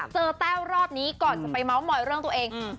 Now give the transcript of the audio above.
แต้วรอบนี้ก่อนจะไปเมาส์มอยเรื่องตัวเอง